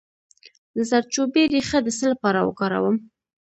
د زردچوبې ریښه د څه لپاره وکاروم؟